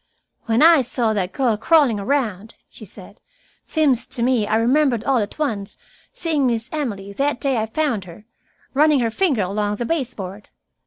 "When I saw that girl crawling around," she said, "seems to me I remembered all at once seeing Miss Emily, that day I found her, running her finger along the baseboard.